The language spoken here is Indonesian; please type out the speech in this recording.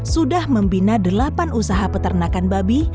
sudah membina delapan usaha peternakan babi